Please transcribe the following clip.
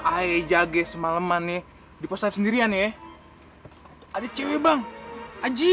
aja gsm alemany di post sendirian ya ada cewek bang aji